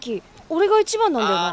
俺が一番なんだよな。